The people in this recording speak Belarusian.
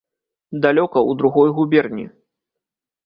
Далёка, у другой губерні.